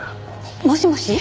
もしもし？